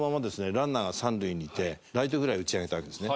ランナーが３塁にいてライトフライ打ち上げたわけですね。